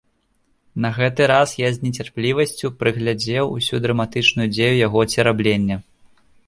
На гэты раз я з нецярплівасцю прагледзеў усю драматычную дзею яго цераблення.